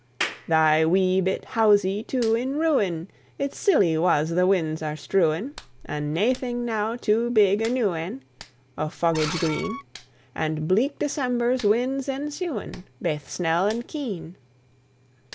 Thy wee bit housie, too, in ruin! Its silly wa's the win's are strewin'! And naething now to big a new ane O' foggage green, And bleak December's winds ensuin', Baith snell and keen!